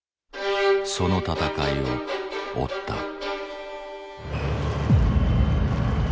その闘いを追った。